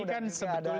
ini kan sebetulnya